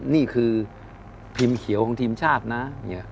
นี่คือพิมพ์เขียวของทีมชาตินะ